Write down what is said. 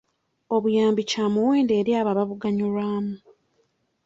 Obuyambi kya muwendo eri abo ababuganyulwamu.